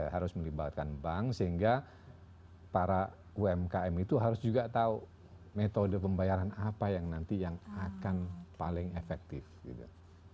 harus melibatkan bank sehingga para umkm itu harus juga tahu metode pembayaran apa yang nanti yang akan paling efektif gitu